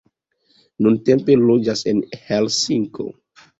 Nuntempe loĝas en Helsinko.